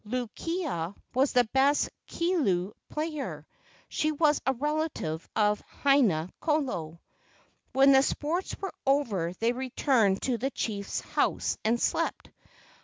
Luu kia was the best kilu player. She was a relative of Haina kolo. When the sports were over they returned to the chief's house and slept.